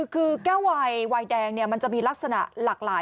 คือแก้ววายแดงมันจะมีลักษณะหลากหลาย